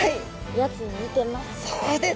やつに似てます。